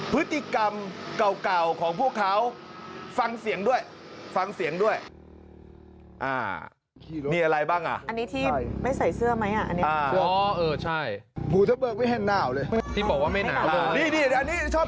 ไปทำตัวอะไรก็ได้เหรออย่างนี้ครับ